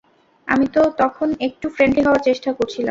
আমি তো তখন একটু ফ্রেন্ডলি হওয়ার চেষ্টা করছিলাম।